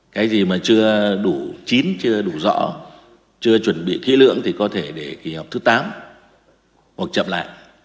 cái gì mà chưa đủ chín chưa đủ rõ chưa chuẩn bị kỹ lưỡng thì có thể để kỳ họp thứ tám hoặc chậm lại